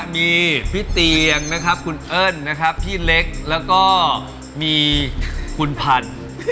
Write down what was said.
มีพี่เตียงนะครับคุณเอิ้นนะครับพี่เล็กแล้วก็มีคุณพันธุ์